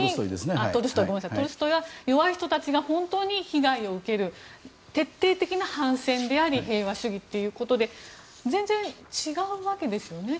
弱い人たちが本当に被害を受ける徹底的な反戦であり平和主義ということで全然、違うわけですよね。